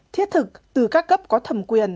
thiết thực từ các cấp có thầm quyền